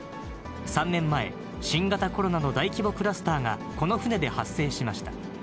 ３年前、新型コロナの大規模クラスターがこの船で発生しました。